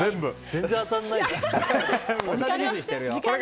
全然当たらない。